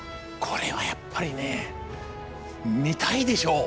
これはやっぱりね見たいでしょう。